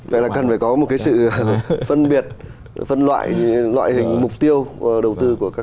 vậy là cần phải có một cái sự phân biệt phân loại loại hình mục tiêu đầu tư của các